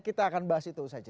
kita akan bahas itu saja